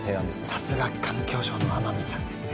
さすが環境省の天海さんですね